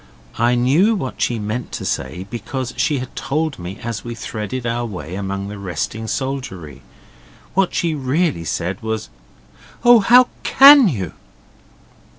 I knew what she meant to say, because she had told me as we threaded our way among the resting soldiery. What she really said was 'Oh, how CAN you!